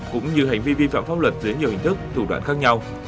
cũng như hành vi vi phạm pháp luật dưới nhiều hình thức thủ đoạn khác nhau